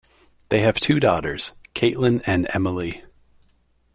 They have two daughters, Caitlin and Emilie.